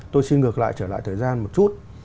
tôi xin ngược lại trở lại thời gian một chút